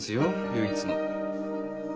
唯一の？